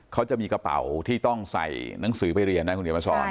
เขาจะมีกระเป๋าที่ต้องใส่หนังสือไปเรียนนะคุณเดี๋ยวมาสอน